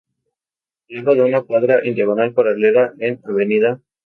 Luego de una cuadra en diagonal paralela a Av.